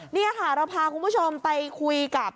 นี่ค่ะเราพาคุณผู้ชมไปคุยกับ